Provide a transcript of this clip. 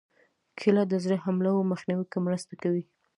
کېله د زړه حملو مخنیوي کې مرسته کوي.